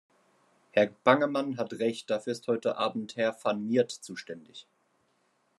Herr Bangemann hat recht, dafür ist heute abend Herr van Miert zuständig.